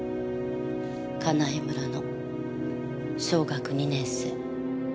海南枝村の小学２年生。